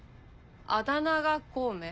あだ名が孔明？